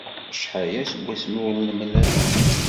Acḥal aya seg wasmi ur d-nemlal.